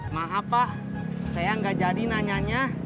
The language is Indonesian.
maaf pak saya nggak jadi nanyanya